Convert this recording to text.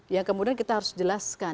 yang kemudian kita harus jelaskan